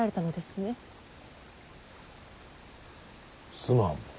すまん。